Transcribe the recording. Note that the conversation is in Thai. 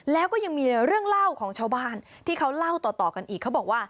แล้วก็ยังมีเรื่องเล่าของชาวบ้านที่เขาเล่าต่อกันอีกเขาบอกว่า